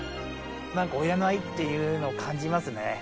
なんか親の愛っていうのを感じますね。